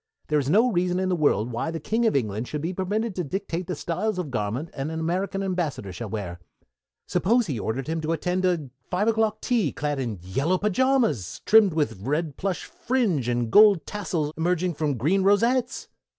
There is no reason in the world why the King of England should be permitted to dictate the style of garments an American Ambassador shall wear. Suppose he ordered him to attend a five o'clock tea clad in yellow pajamas trimmed with red plush fringe and gold tassels emerging from green rosettes?